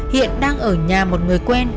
hiện đang ở nhà một người quen